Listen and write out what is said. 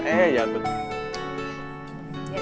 eh ya betul